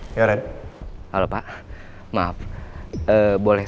saya juga terlupa deh